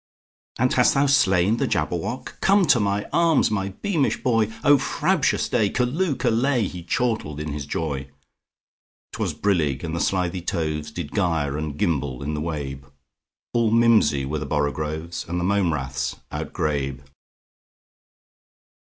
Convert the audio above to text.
"And hast thou slain the Jabberwock? Come to my arms, my beamish boy!O frabjous day! Callooh! Callay!"He chortled in his joy.'T was brillig, and the slithy tovesDid gyre and gimble in the wabe; All mimsy were the borogoves, And the mome raths outgrabe.